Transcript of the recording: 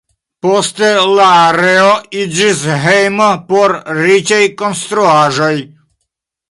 Poste la areo iĝis hejmo por riĉaj konstruaĵoj.